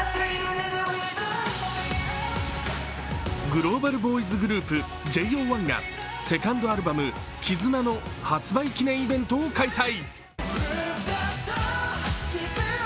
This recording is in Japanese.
グローバルボーイズグループＪＯ１がセカンドアルバム「ＫＩＺＵＮＡ」の発売イベントを開催。